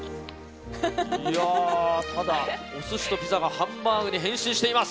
ただ、お寿司とピザがハンバーグに変身しています！